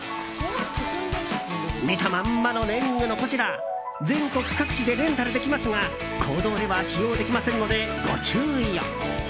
見たまんまのネーミングのこちら全国各地でレンタルできますが公道では使用できませんのでご注意を。